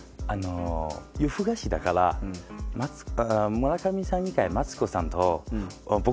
『夜ふかし』だから村上さん以外マツコさんと僕がいます。